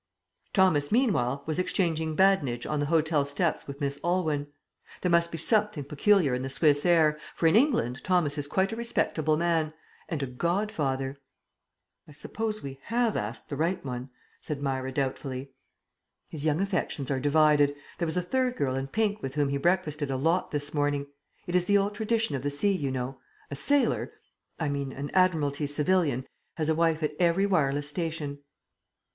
Thomas meanwhile was exchanging badinage on the hotel steps with Miss Aylwyn. There must be something peculiar in the Swiss air, for in England Thomas is quite a respectable man ... and a godfather. "I suppose we have asked the right one," said Myra doubtfully. "His young affections are divided. There was a third girl in pink with whom he breakfasted a lot this morning. It is the old tradition of the sea, you know. A sailor I mean an Admiralty civilian has a wife at every wireless station."